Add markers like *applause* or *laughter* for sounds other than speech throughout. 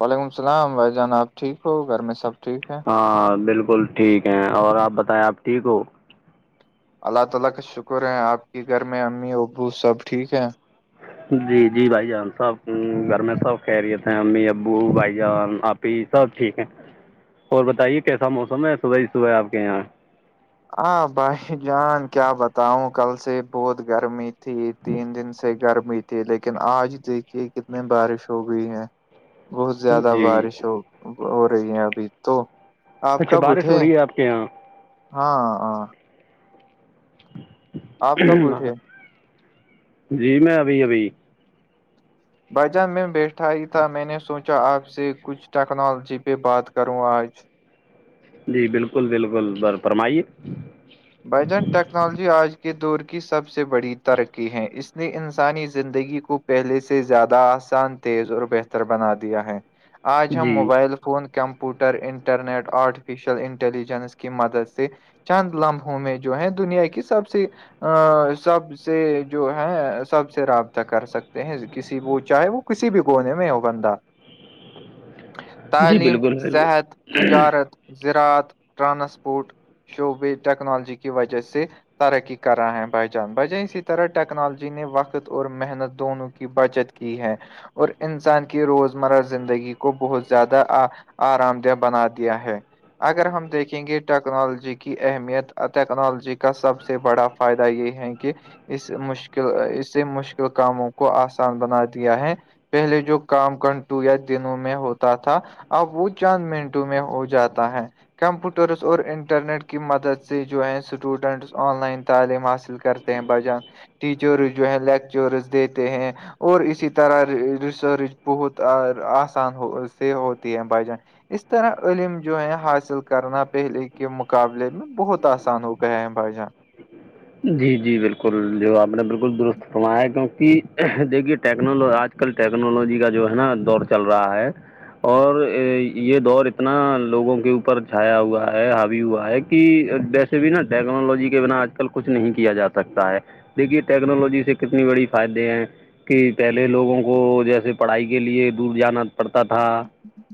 وعلیکم السلام بھح جان آپ ٹھیک ہو گھر میں سب ٹھیک ہے ہاں بالکل ٹھیک ہیں اور آپ بتائیں آپ ٹھیک ہو اللہ تعالی کا شکر ہے آپ کی گھر میں امی ابو سب ٹھیک ہے جی جی بھائی جان سب گھر میں سب کہہ رہیے تھے امی ابو بھائی جان آپ سب ٹھیک ہے اور بتائیے کیسا موسم ہے صبح ہی صبح آپ کے یہاں آ بھائی جان کیا بتاؤ کل سے بہت گرمی تھی تین دن سے گرمی تھی لیکن آج دیکھیے کتنی بارش ہو گئی ہے بہت زیادہ جی بارش ہو ہو رہی ہے ابھی تو آپ اچھا کب بارش ہو اٹھے رہی ہے آپ کے یہاں ہاں ہاں آپ کب اٹھے جی میں ابھی ابھی باجا میں بیٹھا ہی تھا میں نے سوچا کیا آپ سے کچھ ٹیکنالوجی پہ بات کروں آج جی بالکل بالکل بر فرمائیے بجن ٹیکنالوجی آج کے دور کی سب سے بڑی ترقی ہے اس نے انسانی زندگی کو پہلے سے زیادہ آسان تیز اور بہتر بنا دیا ہے آج ہم جی موبائل ف phone computer internet artificial intelligence کی مدد سے چند لمب میں جو ہے دنیا کی سب سے ا سب سے جو ہے سب سے رابطہ کر سکتے ہیں کسی وہ چاہے وہ کسی بھی کونے میں ہو بندہ *inaudible* جی تعلیم بالکل صحت بالکل تجارت زراعت ٹرانسپورٹ شعبے ٹیکنالوجی کی وجہ سے ترقی کرا ہے بائی جان بجان اسی طرح ٹیکنالوجی نے وقت اور محنت دونوں کی بچت کی ہے اور انسان کی روزمرہ زندگی کو بہت زیادہ آرام دہ بنا دیا ہے اگر ہم دیکھیں گے ٹیکنالوجی کی اہمیت اور ٹیکنالوجی کا سب سے بڑا فائدہ یہ ہے کہ اس مشکل اسے مشکل کاموں کو آسان بنا دیا ہے پہلے جو کام کنٹو یا دنوں میں ہوتا تھا اب وہ چاند منٹوں میں ہو جاتا ہے کمپیوٹرس اور انٹرنیٹ کے کی مدد سے جو ہے اسٹوڈنٹس آن لائن تعلیم حاصل کرتے ہیں بجان ٹیچرز جو ہیں لیکچرز دیتے ہیں اور اسی طرح ریسرچ بہت آسان ہو سے ہوتی ہے بجن اس طرح علم جو ہے حاصل کرنا پہلے کے مقابلے میں بہت آسان ہو گیا ہے بھائی جان جی جی بالکل جو آپ نے بالکل درست فرمایا ہے کیونکہ دیکھیے ٹیکنالو آج کل ٹیکنالوجی کا جو ہے نا دور چل رہا ہے اور یہ دور اتنا لوگوں کے اوپر چھایا ہوا ہے ہاوی ہوا ہے کہ ویسے بھی نا ٹیکنالوجی کے بنا آج کچھ نہیں کیا جا سکتا ہے دیکھیے ٹیکنالوجی سے کتنی بڑی فائدے ہیں کہ پہلے لوگوں کو جیسے پڑھائی کے لیے دور جانا پڑتا تھا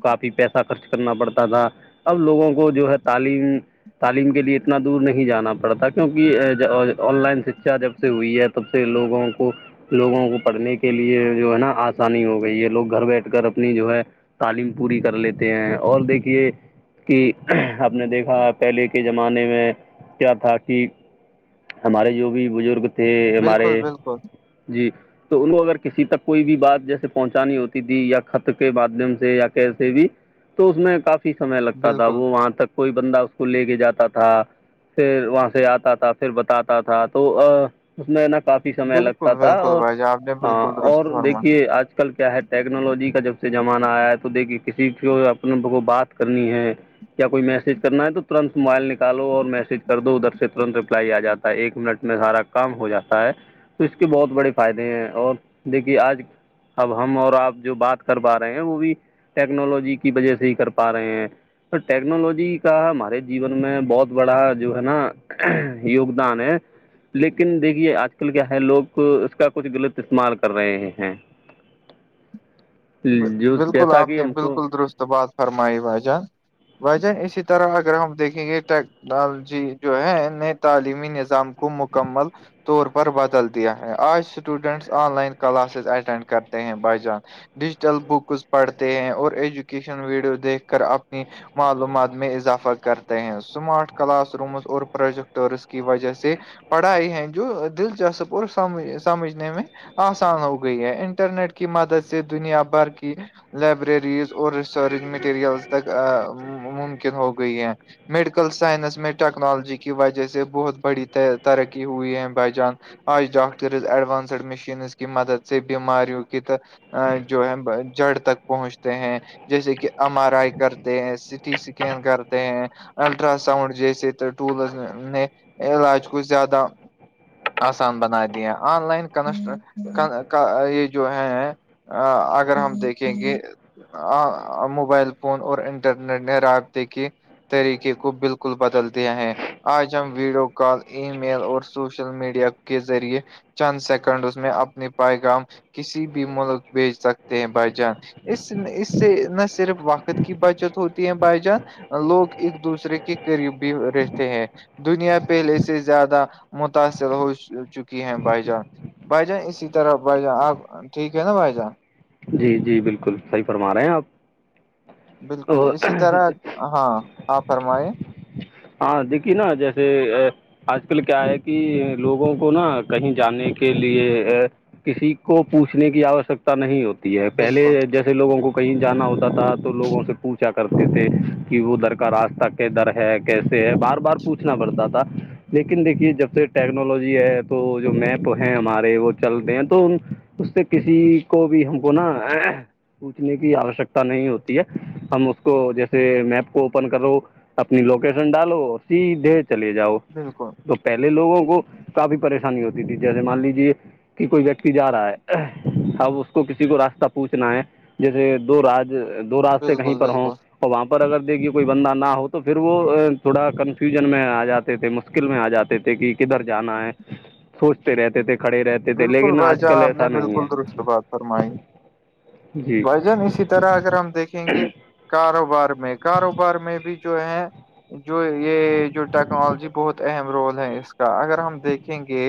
کافی پیسہ خرچ کرنا پڑتا تھا اب لوگوں کو جو ہے تعلیم تعلیم کے لیے اتنا دور نہیں جانا پڑتا کیونکہ آن لائن شکھا جب سے ہوئی ہے تب سے لوگوں کو لوگوں کو پڑھنے کے لیے جو ہے نا آسانی ہو گئی ہے لوگ گھر بیٹھ کر اپنی جو ہے تعلیم پوری کر لیتے ہیں اور دیکھیے کہ آپ نے دیکھا پہلے کے زمانے میں کیا تھا کہ ہمارے جو بھی بزرگ تھے ہمارے بالکل بالکل جی تو ان کو اگر کسی تک کوئی بھی بات جیسے پہنچانی ہوتی تھی یا خط کے مادھیم سے یا کیسے بھی تو اس میں کافی سمے لگتا تھا بالکل وہ وہاں تک کوئی بندہ اس کو لے کے جاتا تھا پھر وہاں سے آتا تھا پھر بتاتا تھا تو اس میں نا کافی سمے لگتا بالکل تھا بالکل اور بھائی جان آپ نے ہاں بالکل درست اور فرما دیکھیے آج کل کیا ہے ٹیکنالوجی کا جب سے زمانہ آیا ہے تو دیکھیے کسی کو اپنے کو بات کرنی ہے کیا کوئی میسج کرنا ہے تو ترنت موبائل نکالو اور میسج کر دو ادھر سے ترنت آ جاتا ہے ایک منٹ میں سارا کام ہو جاتا ہے تو اس کے بہت بڑے فائدے ہیں اور دیکھیے آج اب ہم اور آپ جو بات کر پا رہے ہیں وہ بھی ٹیکنالوجی کی وجہ سے ہی کر پا رہے ہیں تو ٹیکنالوجی کا ہمارے جیون میں بہت بڑا جو ہے نا یوگدان ہے لیکن دیکھیے آج کل کیا ہے لوگ اس کا کچھ غلط استعمال کر رہے ہیں جو جیسا کہ ہم کو تو بات فرمائی بھائی جان بھائی جان اسی طرح اگر ہم دیکھیں گے لال جی جو ہے نئے تعلیمی نظام کو مکمل طور پر بدل دیا ہے آج students online classes attend کرتے ہیں بائی جان ڈیجیٹل بکس پڑھتے ہیں اور ایجوکیشن ویڈیو دیکھ کر اپنی معلومات میں اضافہ کرتے ہیں سمارٹ کلاس رومز اور پروجیکٹرس کی وجہ سے پڑھائی ہیں جو دلچسپ اور سمج سمجھنے میں آسان ہو گئی ہے انٹرنیٹ کی مدد سے دنیا بھر کی لائبریریز اور ریسرچ مٹیریلز تک ممکن ہو گئی ہے میڈیکل سائنس میں ٹیکنالوجی کی وجہ سے بہت بڑی ترقی ہوئی ہے بائی جان آج ڈاکٹرز ایڈوانسڈ مشینز کی کی مدد سے بیماراریوں کی تو جو ہے جڑ تک پہنچتے ہیں جیسے کہ ایم آر آئی کرتے ہیں سیٹی اسکین کرتے ہیں الٹراساؤنڈ جیسے تو ٹولز نے علاج کو زیادہ آسان بنا دے آن لائن کنسٹ یہ جو ہے اگر ہم دیکھیں گے موبائل فون اور انٹرنیٹ نے رابطے کی طریقے خو بالکل بدلتی ہیں آج ہم ویڈیو کال ای میل اور سوشل میڈیا کے ذریعے چند سیکنڈ اس میں اپنے پیغام کسی بھی ملک بھیج سکتے ہیں بھائی جان اس اس سے نہ صرف وقت کی بچت ہوتی ہے بھائی جان لوگ ایک دوسرے کے قریب بھی رہتے ہیں دنیا پہلے سے زیادہ متاثر ہو چکی ہے بھائی جان بھائی جان اسی طرح بھائی جان آپ ٹھیک ہے نا بھائی جان جی جی بالکل صحیح فرما رہے ہیں آپ بالکل اسی طرح ہاں آپ فرمائ ہاں دیکھیے نا جیسے آج کل کیا ہے کہ لوگوں کو نا کہیں جانے کے لیے کسی کو پوچھنے کی آوشکتا نہیں ہوتی ہے پہلے بالکل جس لوگوں کو کہیں جانا ہوتا تھا تو لوگوں سے پوچھا کرتے تھے کہ ادھر کا راستہ کدھر ہے کیسے ہے بار بار پوچھنا پڑتا تھا لیکن دیکھیے جب سے ٹیکنالوجی ہے تو جو میپ ہیں ہمارے وہ چلتے ہیں تو اس سے کسی کو بھی ہم کو نا پوچنے کی آوشکتا نہیں ہوتی ہے ہم اس کو جیسے میپ کو اوپن کر رہو اپنی لوگ کیشن ڈالو سیدھے چلے جاؤ بالکل تو پہلے لوگوں کو کافی پریشانی ہوتی تھی جیسے مان لیجے کہ کوئی ویکتی جا رہا ہے اب اس کو کسی کو راستہ پوچھنا ہے جیسے دو راج دو راستے کہیں بالکل پر ہوں بالکل اور وہاں پر اگر دیکھیے کوئی بندہ نہ ہو تو پھر وہ تھوڑا کنفیوژن میں آ جاتے تھے مشکل میں آ جاتے تھے کہ کدھر جانا ہے سوچتے رہتے تھے کھڑے رہتے تھے بالکل لیکن آج بھائی جان کل آپ ایسا نے نہیں بالکل ہے درست جی ب ج *inaudible* اسی طرح اگر ہم دیکھیں گے کاروبار میں کاروبار میں بھی جو ہے جو یہ جو ٹیکنالوجی بہت اہم رول ہے اس اگر ہم دیکھیں گے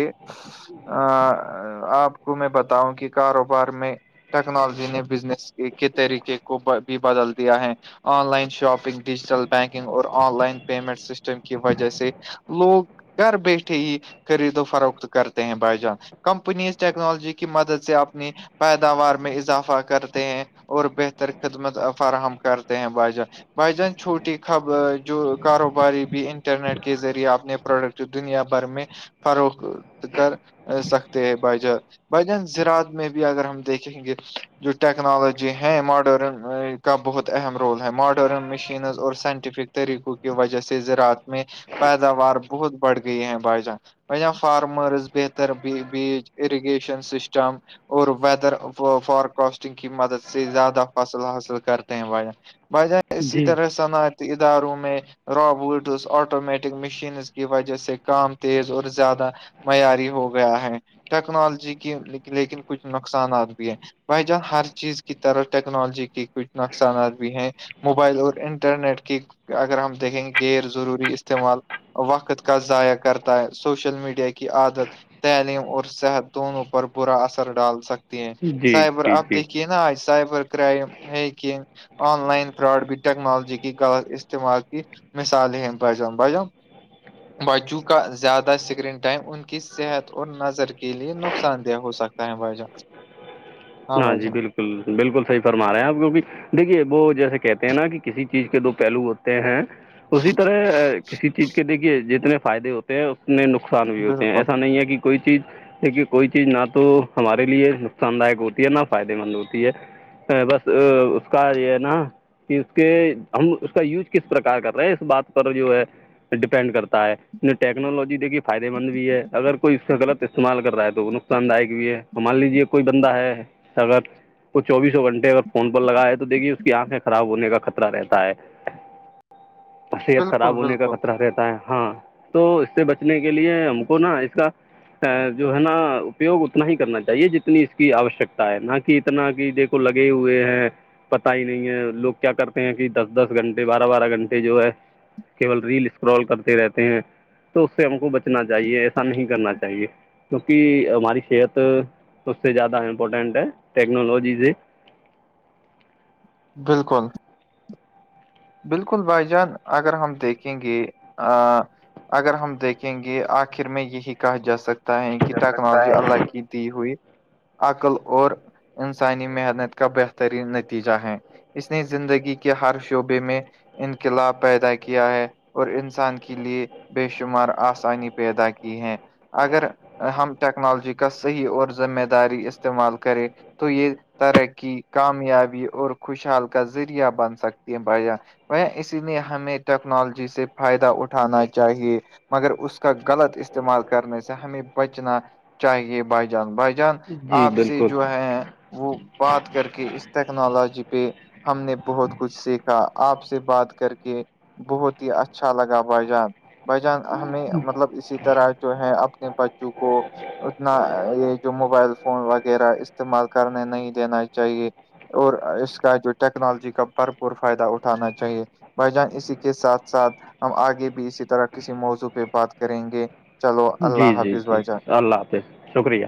ا آپ کو میں بتاؤں کہ کاروبار میں ٹیکنالوجی نے بزنس کے طریقے کو بھی بدل دیا ہے online shopping digital banking اور آن لائن پیمنٹ سسٹم کی وجہ سے لوگ گھر بیٹھے ہی خرید و فروخت کرتے ہیں بھائی جان کمپنیز ٹیکنالوجی کی مدد سے اپنی پیداوار میں اضافہ کرتے ہیں اور بہتر خدمت فراہم کرتے ہیں باجان بھائی جان چھوٹی خبر جو کاروباری بھی انٹرنیٹ کے ذریعے آپ نے پروڈکٹ دنیا بھر میں فروخت کر سکتے ہیں بھائی جار بھائی جان زرات میں بھی اگر ہم دیکھیں گے جو ٹیکنالوجی ہیں ماڈرن کا بہت اہم رول ہے ماڈرن مشینز اور سائنٹیفک طریقوں کی وجہ سے زرعت میں پیداوار بہت بڑھ گئی ہے بائی جان ب جاں فارم مرس بہتر بیچ ارگیشن سشٹم اور ویدر فارکسٹنگ کی مدد سے زیادہ فصل حاصل کرتے ہیں ب بھائی جان اسی جی طرح صنعتی اداروں میں رابورٹز آٹومیٹک میشینز کی وجہہ سے کام تیز اور زیادہ معیاری ہو گیا ہے ٹیکنالوجی کی لیکن کچھ نقصانات بھی ہیں بھائی جان ہر چیز کی طرح ٹیکنالوجی کے کچھ نقصانات بھی ہیں موبائل اور انٹرنیٹ کی اگر ہم دیکھیں گے غیر ضروری استعمال وقت کا ضائع کرتا ہے سوشل میڈیا کے کی عادت تعلیم اور صحت دونوں پر برا اثر ڈال سک جی سائبر جی آب جی دیکھیے نا آج cyber crime hacking *inaudible* on line fraud بھی ٹیکنالوجی کی غلط استعمال کی مثال ب ج بچوں کا زیادہ سکرین *inaudible* ائم ان کی صحت اور نظر کے لیے نقصان دہ ہو سکتا ہے بائی جان ہاں بھائی جی جان بالکل بالکل صحی فرما رہے ہیں آپ کیونکہ دیکھیے وہ جیسے کہتے ہیں نا کہ کسی چیز کے دو پہلو ہوتے ہیں اسی طرح کسی چیز کے دیکھیے جتنے فائدے ہوتے ہیں اتنے ن نقصان بھی ہوتے بالکل ہیں ایسا نہیں ہے کہ کوئی چیز دیکھیے کوئی چیز نہ تو ہمارے لیے نقصان داک ہوتا نہ فائدے مند ہوتی ہے بس اس کا یہ ہے نا کہ اس کے ہم اس کا یوج کس پرار کر رہے ہیں اس بات پر جو ہے ڈیپینڈ کرتا ہے ٹیکنالوجی دھی فائدے مند بھی ہے اگر کوئی اس کا غلط استعمال کر رہا تو انہوں نقلام دائک بھی ہے مان لیجے کوئی بندہ ہے سگر وہ چوبیسوں گھنٹے اگر فون پر لگا ہے تو دیکھیے اس کی آنکھیں خراب ہونے کا خطرہ رہتا ہے حثت بالکل خراب ہونے کا بالکل خطرہ رہتا ہے *unintelligible* ہاں تو اس سے بچنے کے لیے ہم کو نا اس کا جو ہے نا اپیوگ اتنا ہی کرنا چاہیے جتنی اس کی آوشک ہے نا کہ اتنا کہ دیکھو لگے ہوئے ہیں پتا ہی نہیں ہے لوگ کیا کرتے ہیں کہ دس دس گھنٹے بارہ بارہ گھنٹے جو ہے کےول ریل اسکرال کرتے رہتے ہیں تو اس سے ہم کو بچنا چاہیے ایسا نہیں کرنا چاہیے کیونکہ ہماری صحت سب سے زیادہ امپورٹنٹ ہے ٹیکنالوجی سے بالکل بالکل بھائی جان اگر ہم دیکھیں گے آ اگر ہم دیکھیں گے آخر میں یہی کہا جا سکتا ہے کہ جب لگتا ٹیکنالوجی اللہ ہے کی ت ہوئی عقل اور انسانی محنت کا بہترین نتیجہ ہے اس نے زندگی کے ہر شعبے میں انقلاب پیدا کیا ہے اور انسان کے لیے بے شمار آسانی پیدا کی ہے اگر ہم ٹیکنالوجی کا صحیح اور ذمہ داری استعمال کریں تو یہ ترقی کامیابی اور خوشحال کا ذریعہ بن سکتی ہے بیاان وہ اسی لیے ہمیں ٹیکنالوجی سے فائدہ اٹھانا چاہیے مگر اس کا غلط استعمال کرنے سے ہمیں بچنا چاہیے بائی جان بائی جان جی آپ سے بالکل جو ہے وہ بات کر کے اس ٹیکنالوجی پہ ہم نے بہت کچھ سیکھ کا آپ سے بات کر کے بہت ہی اچھا لگا بھائی جان بھائی جان ہمیں مطلب اسی طرح جو ہے اپنے بچوں کو اتنا یہ جو موبائل فون وغیرہ استعمال کرنے نہیں لینا چاہیے اور اس کا جو ٹیکنالوجی کا بھرپور فائدہ اٹھانا چاہیے بھائی جان اسی کے ساتھ ساتھ ہم آگے بھی اسی طرح کسی موضوع پہ بات کریں گے چلو جی اللہ جی حافظ جی بھائی جان اللہ حافظ شکریہ